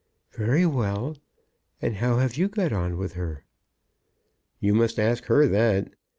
"Very well; and how have you got on with her?" "You must ask her that.